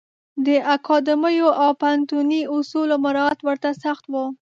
د اکاډمیو او پوهنتوني اصولو مرعات ورته سخت و.